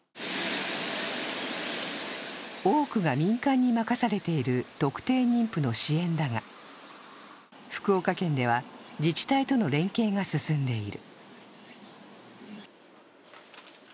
多くが民間に任されている特定妊婦の支援だが福岡県では自治体との連携が進んでいる。